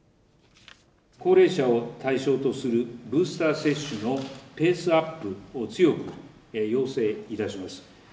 高齢者を対象とするブースター接種のペースアップを強く要請いたします。